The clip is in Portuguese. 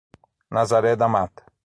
Nazaré da Mata